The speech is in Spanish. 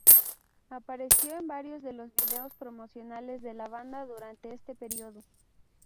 Apareció en varios de los videos promocionales de la banda durante este período.